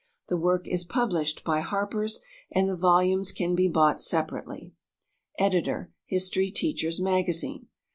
The work is published by Harpers, and the volumes can be bought separately. Editor HISTORY TEACHER'S MAGAZINE.